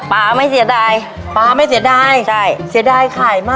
ไม่เสียดายป๊าไม่เสียดายใช่เสียดายขายมาก